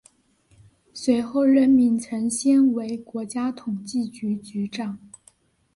随后任命陈先为国家统计局局长。